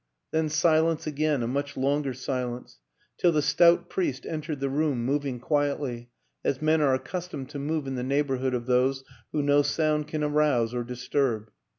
... Then silence again, a much longer silence, till the stout priest entered the room, moving quietly, as men are ac customed to move in the neighborhood of those who no sound can arouse or disturb.